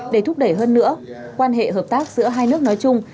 để thúc đẩy hơn nữa quan hệ hợp tác giữa hai nước nói chung